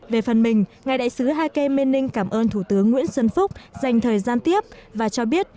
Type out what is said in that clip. về phần mình ngài đại sứ hai kê minh ninh cảm ơn thủ tướng nguyễn xuân phúc dành thời gian tiếp và cho biết